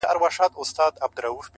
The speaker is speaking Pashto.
له هنداري څه بېــخاره دى لوېـــدلى ـ